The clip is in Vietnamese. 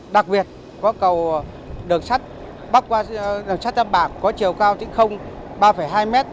đặc biệt có cầu đường sắt bắc qua đường sắt tâm bạc có chiều cao tính không ba hai m